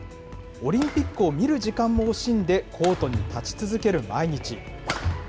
オリンピックを見る時間も惜しんでコートに立ち続ける毎日。